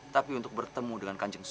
tapi untuk bertemu dengan kanjeng